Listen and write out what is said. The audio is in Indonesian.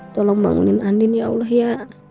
tolong bangunin andin ya allah ya